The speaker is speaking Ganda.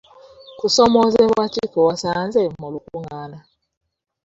Kusoomozebwa ki kwe wasanze mu lukungaana?